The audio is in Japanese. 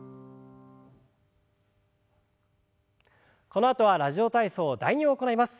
このあとは「ラジオ体操第２」を行います。